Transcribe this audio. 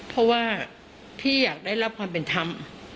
เพราะว่าพี่อยากได้รับความเป็นธรรม